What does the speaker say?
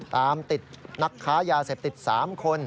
ตามติดนักค้ายาเสพติด๓คน